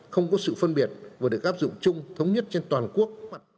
không có sự phân biệt vừa được áp dụng chung thống nhất trên toàn quốc